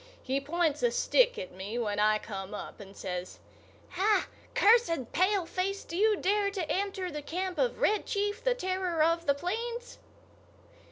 He points a stick at me when I come up, and says: "Ha! cursed paleface, do you dare to enter the camp of Red Chief, the terror of the plains?